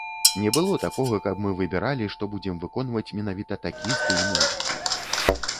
Не было такога, каб мы выбіралі, што будзем выконваць менавіта такі стыль музыкі.